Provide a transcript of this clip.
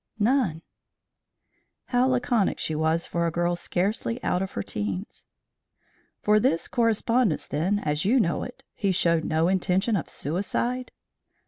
"None." How laconic she was for a girl scarcely out of her teens! "From this correspondence, then, as you know it, he showed no intention of suicide?"